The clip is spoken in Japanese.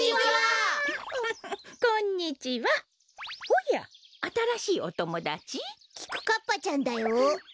おやあたらしいおともだち？きくかっぱちゃんだよ。